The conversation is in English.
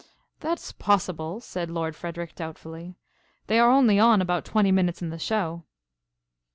"That is possible," said Lord Frederic doubtfully. "They are only on about twenty minutes in the show."